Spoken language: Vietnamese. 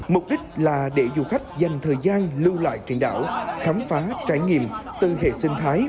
mục đích là để du khách dành thời gian lưu lại trên đảo khám phá trải nghiệm từ hệ sinh thái